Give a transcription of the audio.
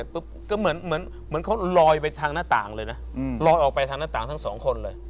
ผมก็นั่งนั่งนอน